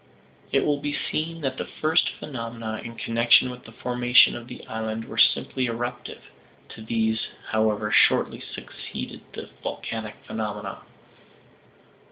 It will be seen that the first phenomena in connection with the formation of the island were simply eruptive; to these, however, shortly succeeded the volcanic phenomena.